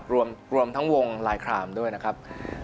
รวมทั้งวงลายครามด้วยนะครับ